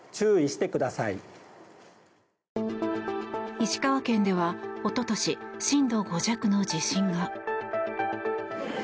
石川県では一昨年震度５弱の地震が。